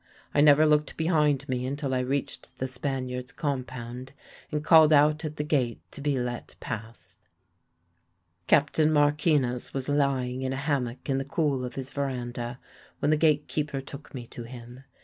I never looked behind me until I reached the Spaniards' compound, and called out at the gate to be let pass. "Captain Marquinez was lying in a hammock in the cool of his verandah when the gate keeper took me to him.